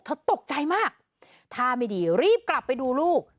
ตกใจมากท่าไม่ดีรีบกลับไปดูลูก